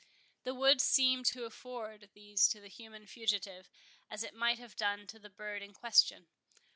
The wood seemed to afford these to the human fugitive, as it might have done to the bird in question.